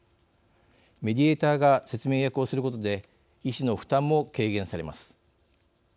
メディエーターが説明役をすることで医師の負担も軽減されます。